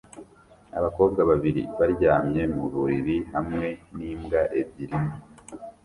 Abakobwa babiri baryamye mu buriri hamwe n'imbwa ebyiri nto